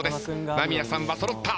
間宮さんは揃った。